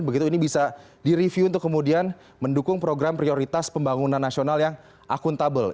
begitu ini bisa direview untuk kemudian mendukung program prioritas pembangunan nasional yang akuntabel